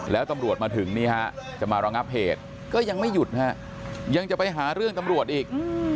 แล้วตำรวจมาถึงนี่ฮะจะมารองับเหตุก็ยังไม่หยุดฮะยังจะไปหาเรื่องตำรวจอีก